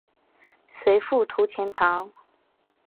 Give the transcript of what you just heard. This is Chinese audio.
随父徙钱塘。